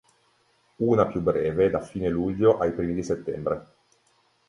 Una più breve da fine luglio ai primi di settembre.